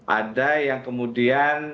sebagai instrumen pemenang pemenang